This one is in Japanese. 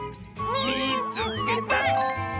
「みいつけた！」。